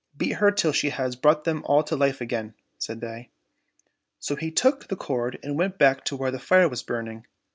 Beat her till she has brought them all to life again," said they. So he took the cord and went back to where the fire was burning.